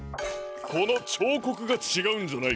このちょうこくがちがうんじゃないか？